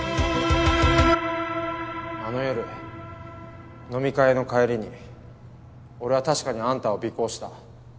あの夜飲み会の帰りに俺は確かにあんたを尾行した。